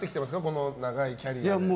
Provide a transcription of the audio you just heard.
この長いキャリアで。